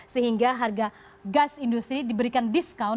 sehingga harga gas industri diberikan diskon